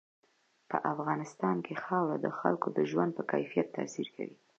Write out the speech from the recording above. په افغانستان کې خاوره د خلکو د ژوند په کیفیت تاثیر کوي.